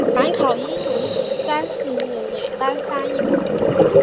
凡考英文者三四日内单发一榜。